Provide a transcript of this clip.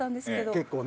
結構ね。